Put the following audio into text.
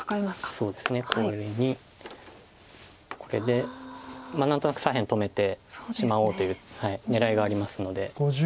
そうですねこういうふうにこれで何となく左辺止めてしまおうという狙いがありますので。